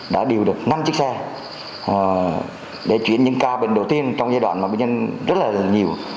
đã điều được năm chiếc xe để chuyển những ca bệnh đầu tiên trong giai đoạn mà bệnh nhân rất là nhiều